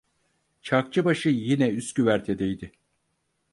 Çarkçıbaşı yine üst güvertedeydi.